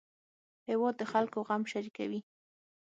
هېواد د خلکو غم شریکوي